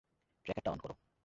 ট্র্যাকারটা on কর।